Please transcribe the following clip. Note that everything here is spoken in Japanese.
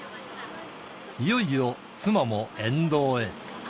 いよいよ妻も沿道へ。